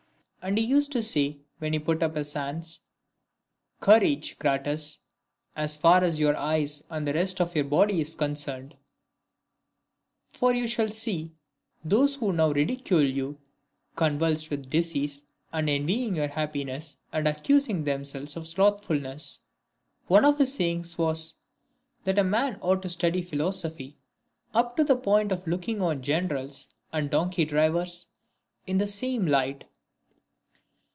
And he used to say, when he put up his hands, " Courage, Crates, as far as your eyes and the rest of your body is concerned ;— IX. " For you shall see those who now ridicule you, con vulsed with disease, and envying your happiness, and accusing themselves of slothfulness." One of his sayings was, " That a man ought to study philosophy, up to the point of looking on generals and donkey drivers in the same light."